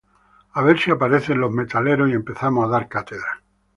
a ver si aparecen los metaleros y empezamos a dar cátedra